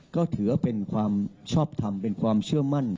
ก็ถือว่าเป็นความชอบทำเป็นความเชื่อมั่น